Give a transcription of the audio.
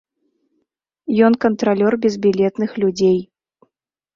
Ён кантралёр безбілетных людзей.